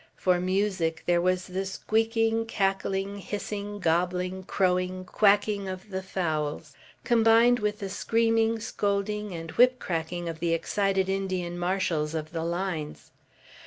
For music, there was the squeaking, cackling, hissing, gobbling, crowing, quacking of the fowls, combined with the screaming, scolding, and whip cracking of the excited Indian marshals of the lines.